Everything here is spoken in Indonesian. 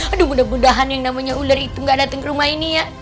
aduh mudah mudahan yang namanya ular itu gak datang ke rumah ini ya